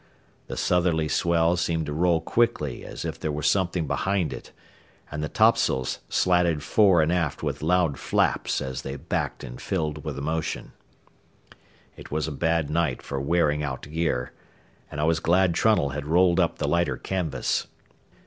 The southerly swell seemed to roll quickly as if there were something behind it, and the topsails slatted fore and aft with loud flaps as they backed and filled with the motion. It was a bad night for wearing out gear, and I was glad Trunnell had rolled up the lighter canvas.